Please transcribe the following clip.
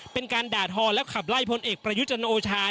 เป็นการด่าทอแล้วขับไล่พลเอกประยุจันโอชา